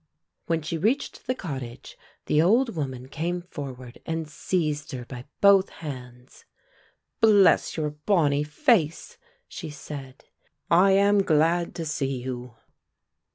When she reached the cottage the old woman came forward and seized her by both hands. "Bless your bonnie face," she said, "I am glad to see you."